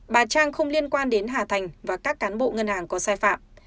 bà trang không liên quan đến hà thành và các cán bộ ngân hàng có sai phạm